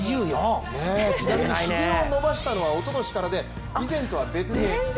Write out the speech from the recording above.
ちなみに、ひげを伸ばしたのはおととしからで以前とは別人。